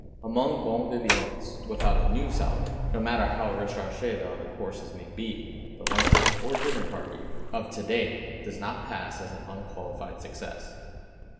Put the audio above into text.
Among bon vivants, without a new salad, no matter how recherché the other courses may be, the luncheon, or dinner party, of to day does not pass as an unqualified success.